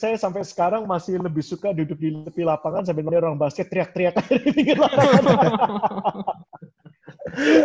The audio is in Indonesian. saya sampai sekarang masih lebih suka duduk di tepi lapangan sampai kemudian orang basket teriak teriak aja di pinggir lapangan